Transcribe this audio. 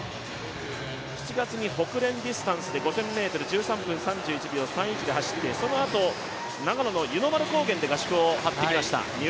７月にホクレン・ディスタンスチャレンジで１３分３１秒３１で走って、そのあと、長野の湯の丸高原で合宿を張ってきました。